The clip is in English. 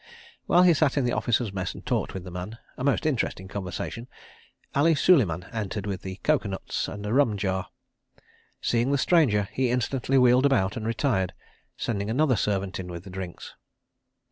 ... While he sat in the Officers' Mess and talked with the man—a most interesting conversation—Ali Suleiman entered with coco nuts and a rum jar. Seeing the stranger, he instantly wheeled about and retired, sending another servant in with the drinks.